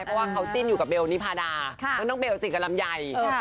เพราะว่าเขาจิ้นอยู่กับเบลนิพาดาแล้วน้องเบลติดกับลำไย